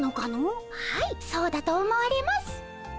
はいそうだと思われます。